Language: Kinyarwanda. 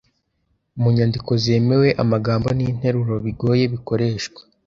Mu nyandiko zemewe, amagambo ninteruro bigoye bikoreshwa.